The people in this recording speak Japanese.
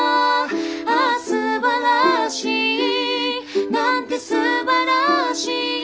「あぁ素晴らしいなんて素晴らしい」